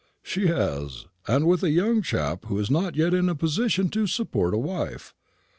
"She has, and with a young chap who is not yet in a position to support a wife.